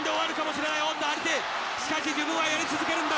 しかし自分はやり続けるんだと。